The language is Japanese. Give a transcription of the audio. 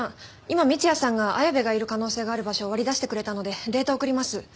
今三ツ矢さんが綾部がいる可能性がある場所を割り出してくれたのでデータを送ります。